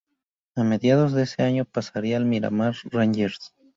A mediados de ese año pasaría al Miramar Rangers.